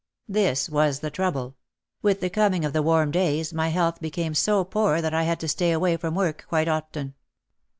This was the trouble: with the coming of the warm days my health became so poor that I had to stay away from work quite often.